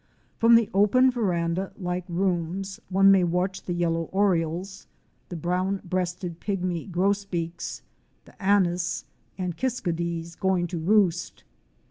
From the open, veranda like rooms one may watch the Yellow Orioles," the Brown breasted Pygmy Grosbeaks,'" the Anis and Kiskadees going to roost.